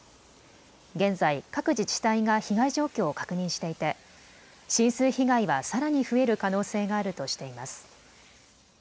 現在、各自治体が被害状況を確認していて浸水被害はさらに増える可能性があるとしています。